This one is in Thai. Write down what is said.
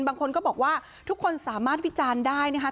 บางคนก็บอกว่าทุกคนสามารถวิจารณ์ได้นะคะ